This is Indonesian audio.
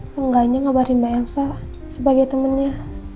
seenggaknya ngabarin mbak ensa sebagai temennya